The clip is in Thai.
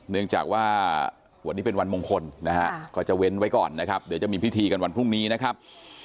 เนื่องจากว่าวันนี้เป็นวันมงคลนะฮะก็จะเว้นไว้ก่อนนะครับเดี๋ยวจะมีพิธีกันวันพรุ่งนี้นะครับ